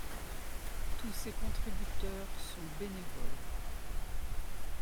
Tous ses contributeurs son bénévoles.